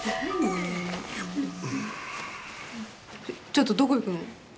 ちょっとどこ行くの？